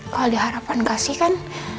kalau diharapkan kasih kan